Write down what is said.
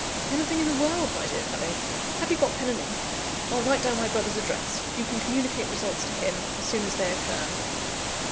"Anything in the world, my dear fellow. Have you got pen and ink? I'll write down my brother's address; you can communicate results to him, as soon as they occur."